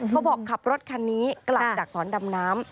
เขาบอกขับรถคันนี้กลับจากสอนดำน้ำ